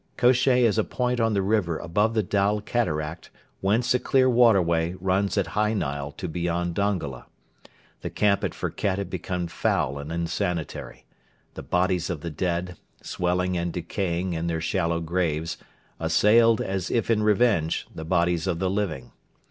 Kosheh is a point on the river above the Dal Cataract whence a clear waterway runs at high Nile to beyond Dongola. The camp at Firket had become foul and insanitary. The bodies of the dead, swelling and decaying in their shallow graves, assailed, as if in revenge, the bodies of the living.